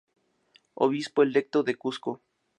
Obispo electo de Cuzco.